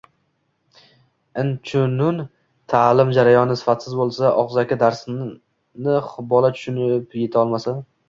Inchunun, ta’lim jarayoni sifatsiz bo‘lsa, og‘zaki darsni bola tushunib yetolmasa